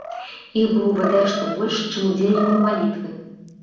Іх было бадай што больш, чым удзельнікаў малітвы.